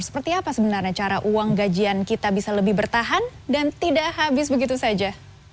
seperti apa sebenarnya cara uang gajian kita bisa lebih bertahan dan tidak habis begitu saja